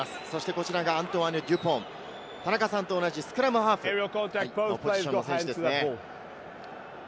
こちらがアントワーヌ・デュポン、田中さんと同じスクラムハーフというポジションの選手です。